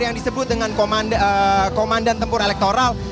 yang disebut dengan komandan tempur elektoral